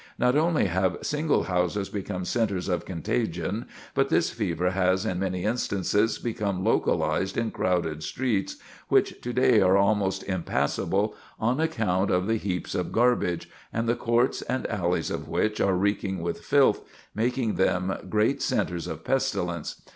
Not only have single houses become centres of contagion, but this fever has, in many instances, become localized in crowded streets, which to day are almost impassable on account of the heaps of garbage, and the courts and alleys of which are reeking with filth, making them great centres of pestilence.